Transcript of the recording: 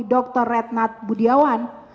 dr retnat budiawan